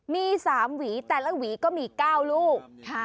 มี๓หวีแต่ละหวีก็มี๙ลูก